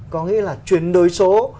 có nghĩa là chuyển đổi số